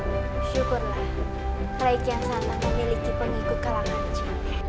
rakyat sana memiliki pengikut kalangan